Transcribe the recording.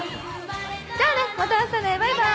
じゃあねまたあしたねバイバイ！